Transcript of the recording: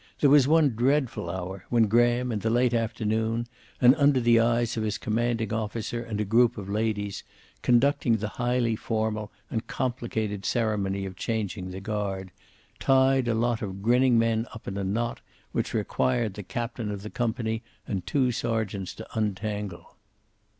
There was one dreadful hour when Graham, in the late afternoon, and under the eyes of his commanding officer and a group of ladies, conducting the highly formal and complicated ceremony of changing the guard, tied a lot of grinning men up in a knot which required the captain of the company and two sergeants to untangle.